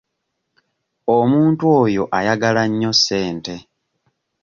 Omuntu oyo ayagala nnyo ssente.